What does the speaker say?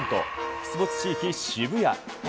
出没地域、渋谷。